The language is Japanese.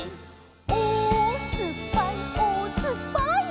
「おおすっぱいおおすっぱい」